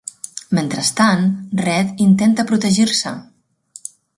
Mentrestant, Red intenta protegir-se.